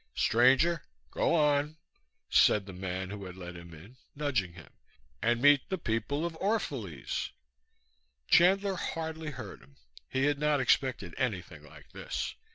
"Stranger, go on," said the man who had let him in, nudging him, "and meet the people of Orphalese." Chandler hardly heard him. He had not expected anything like this.